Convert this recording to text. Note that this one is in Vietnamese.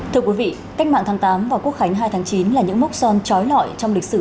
thưa quý vị cách mạng tháng tám và quốc khánh hai tháng chín là những mốc son trói lọi trong lịch sử